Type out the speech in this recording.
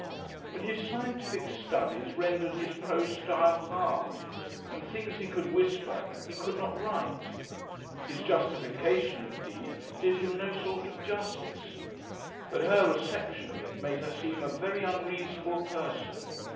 But his scientific studies rendered his prose style "hard," and things he could whisper he could not write. His justification indeed did him no sort of justice. But her reception of it made her seem a very unreasonable person.